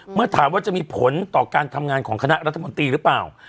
เมื่อถามว่าจะมีผลต่อการทำงานของคณะรัฐมนตรีหรือเปล่า